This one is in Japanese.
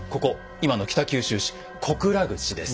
今の北九州市小倉口です。